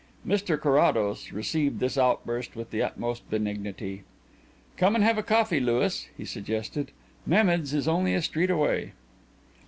Mr Carrados received this outburst with the utmost benignity. "Come and have a coffee, Louis," he suggested. "Mehmed's is only a street away."